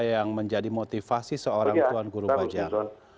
yang menjadi motivasi seorang tuan guru bajang